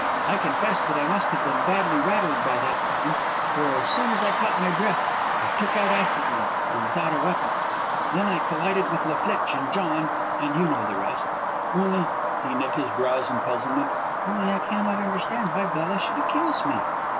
I confess that I must have been badly rattled by that time, for as soon as I caught my breath I took out after them, and without a weapon. Then I collided with La Flitche and John, and and you know the rest. Only," he knit his brows in puzzlement, "only, I cannot understand why Bella should accuse me."